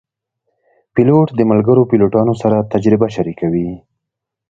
پیلوټ د ملګرو پیلوټانو سره تجربه شریکوي.